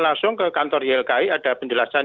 langsung ke kantor ylki ada penjelasan